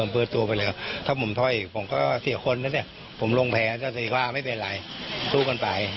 ผมลงแผนไม่เป็นไรสู้กันไป